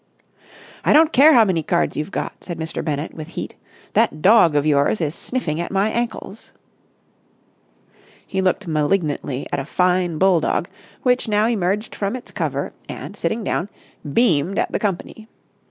"I don't care how many cards you've got!" said Mr. Bennett with heat. "That dog of yours is sniffing at my ankles!" He looked malignantly at a fine bulldog which now emerged from its cover and, sitting down, beamed at the company.